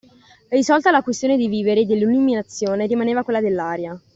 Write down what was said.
Risolta la questione dei viveri e dell’illuminazione, rimaneva quella dell’aria;